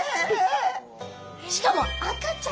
しかも赤ちゃん！